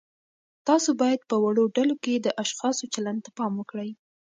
تاسو باید په وړو ډلو کې د اشخاصو چلند ته پام وکړئ.